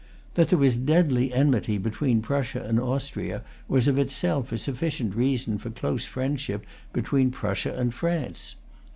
That there was deadly enmity between Prussia and Austria was of itself a sufficient reason for close friendship between Prussia and France.